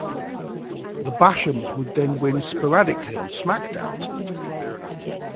The Bashams would then win sporadically on SmackDown!